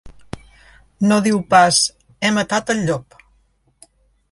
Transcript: No diu pas: he matat el llop.